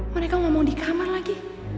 mereka ngomong di kamar lagi